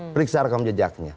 periksa rekam jejaknya